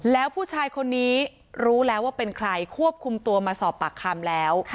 แล้วผู้ชายคนนี้รู้แล้วว่าเป็นใครควบคุมตัวมาสอบปากคำแล้ว